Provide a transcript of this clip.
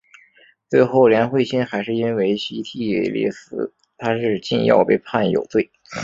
最后连惠心还是因为西替利司他是禁药被判有罪。